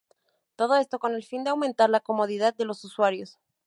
Todo esto con el fin de aumentar la comodidad de los usuarios.